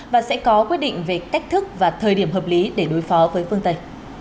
và sẽ có quyết định về cách thức và thời điểm hợp lý để đối phó với phương tây